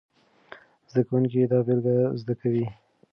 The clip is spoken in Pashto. زده کوونکي دا بېلګې زده کوي.